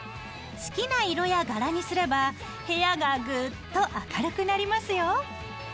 好きな色や柄にすれば部屋がぐっと明るくなりますよ！